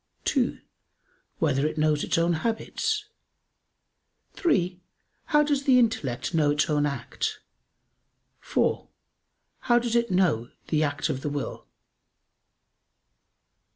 (2) Whether it knows its own habits? (3) How does the intellect know its own act? (4) How does it know the act of the will?